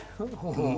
うん。